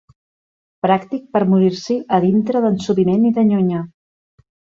Pràctic per morir-s'hi a dintre d'ensopiment i de nyonya.